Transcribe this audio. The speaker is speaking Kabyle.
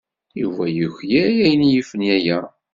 Yuba yuklal ayen yifen aya.